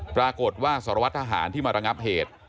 ปรากฏว่าสารวัตรทหารที่มาระงับเหตุ